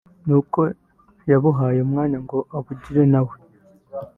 ni ko yabuhaye Umwana ngo abugire na we